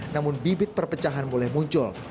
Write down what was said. namun bibit perpecahan boleh muncul